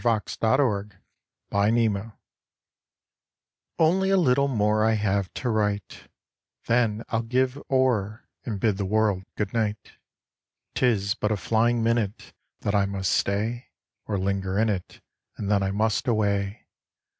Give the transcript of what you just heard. HIS POETRY HIS PILLAR Only a little more I have to write: Then I'll give o'er, And bid the world good night. 'Tis but a flying minute, That I must stay, Or linger in it: And then I must away.